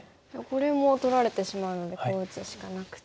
これも取られてしまうのでこう打つしかなくて。